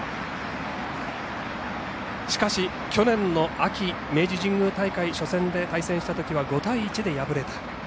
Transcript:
しかし、去年の秋明治神宮大会初戦で対戦したときは５対１で敗れた。